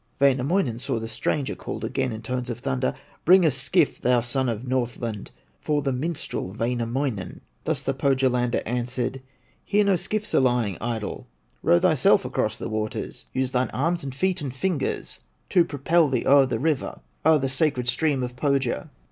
Wainamoinen saw the stranger, Called again in tones of thunder: "Bring a skiff, thou son of Northland, For the minstrel, Wainamoinen!" Thus the Pohyalander answered: "Here no skiffs are lying idle, Row thyself across the waters, Use thine arms, and feet, and fingers, To propel thee o'er the river, O'er the sacred stream of Pohya."